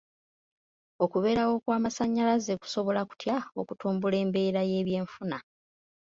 Okubeerawo kw'amasannyalaze kusobola kutya okutumbula embeera y'ebyenfuna?